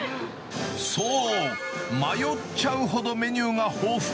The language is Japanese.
そう、迷っちゃうほどメニューが豊富。